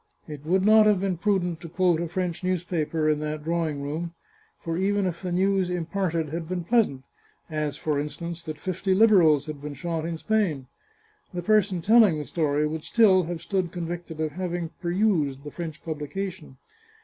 It would not 519 The Chartreuse of Parma have been prudent to quote a French newspaper in that drawing room, for even if the news imparted had been pleasant — as, for instance, that fifty Liberals had been shot in Spain — the person telling the story would still have stood convicted of having perused the French publication.